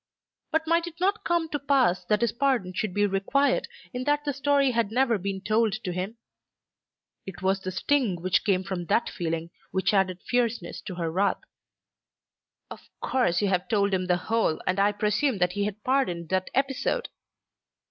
But might it not come to pass that his pardon should be required in that the story had never been told to him? It was the sting which came from that feeling which added fierceness to her wrath. "Of course you have told him the whole, and I presume that he has pardoned that episode!"